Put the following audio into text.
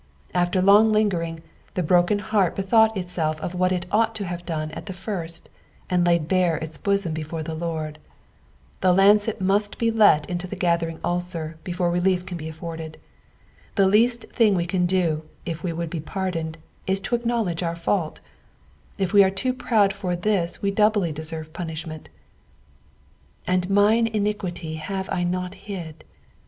After long lingering, the broken heart bethought itself of what it ought to have done at the flrst, and laid bare its bnsom before the Lord. The lancet roust be let into the gathering ulcer before relief can be afiorded. The least thing we can do, if we would be pardoned, ia to acknowledge our fault ; if we are too proud for this we doubly deserve pun ishment. "And mint iniquity have I not hid."